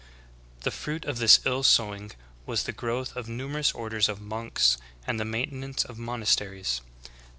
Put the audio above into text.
"^ 25. The fruit of this ill sowing was the growth of nu merous orders of monks, and the maintenance of monas teries.